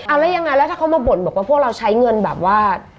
เอาแล้วยังไงแล้วถ้าเขามาบ่นบอกว่าพวกเราใช้เงินแบบว่า